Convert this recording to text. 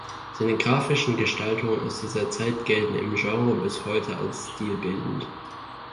Seine grafischen Gestaltungen aus dieser Zeit gelten im Genre bis heute als stilbildend.